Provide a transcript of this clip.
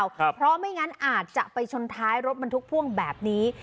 เพราะไม่งั้นอาจจะไปชนท้ายรถบรรทุกพ่วงแบบนี้